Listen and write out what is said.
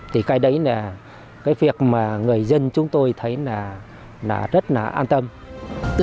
vì cái đấy là cái việc mà người dân chúng tôi thấy là chúng tôi rất an tâm và giảm được rất nhiều